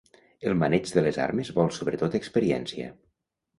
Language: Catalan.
El maneig de les armes vol sobretot experiència.